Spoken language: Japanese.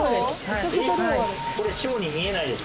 これ小に見えないです。